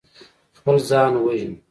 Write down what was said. خپل ځان وژني.